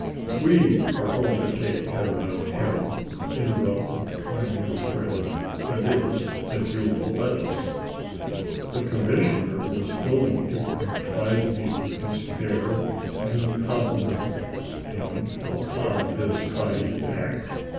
"We are going to take care of him," interrupted my new friend; "that is, if you will let us." The commissioner was willing to confide me to his care and complimented him upon his kind act.